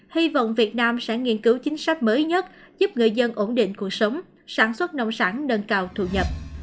hy vọng việt nam sẽ nghiên cứu chính sách mới nhất giúp người dân ổn định cuộc sống sản xuất nông sản nâng cao thu nhập